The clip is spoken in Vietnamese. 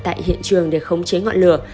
tại hiện trường để khống chế ngọn lửa